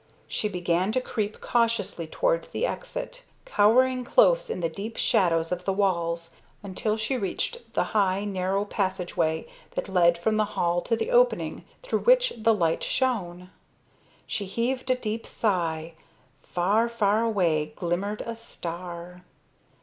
She began to creep cautiously toward the exit, cowering close in the deep shadows of the walls, until she reached the high, narrow passageway that led from the hall to the opening through which the light shone. She heaved a deep sigh. Far, far away glimmered a star.